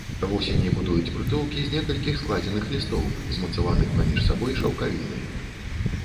Вусені будуюць прытулкі з некалькіх складзеных лістоў, змацаваных паміж сабой шаўкавінай.